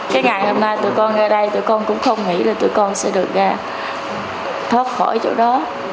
cái ngày hôm nay tụi con ở đây tụi con cũng không nghĩ là tụi con sẽ được thoát khỏi chỗ đó